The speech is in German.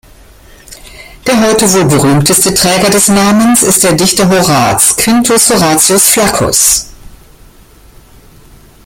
Der heute wohl berühmteste Träger des Namens ist der Dichter Horaz, Quintus Horatius Flaccus.